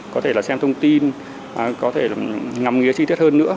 có thể là xem thông tin có thể ngắm nghĩa chi tiết hơn nữa